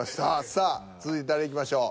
さあ続いて誰いきましょう？